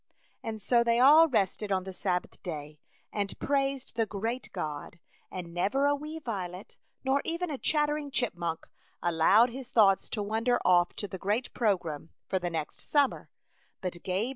And so they all rested on the Sab bath day, and praised the great God, and never a wee violet, nor even a chattering chipmunk, allowed his thoughts to wander off to the great I 64 A Chautauqua Idyl.